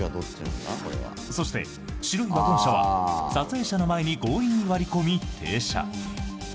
そして、白いワゴン車は撮影者の前に強引に割り込み、停車。